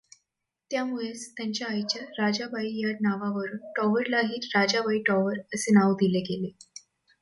त्यामुळेच त्यांच्या आईच्या राजाबाई या नावावरून टॉवरलाही राजाबाई टॉवर असे नाव दिले गेले.